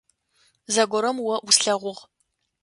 Зэгорэм о услъэгъугъ.